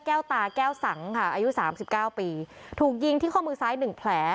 ตาแก้วสังค่ะอายุสามสิบเก้าปีถูกยิงที่ข้อมือซ้ายหนึ่งแผล